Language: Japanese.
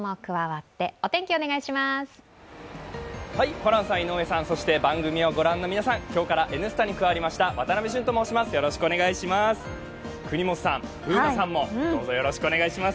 ホランさん井上さん、そして番組を御覧の皆さん、今日からお天気に加わりました渡部峻と申します。